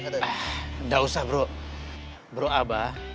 enggak usah bro bro abah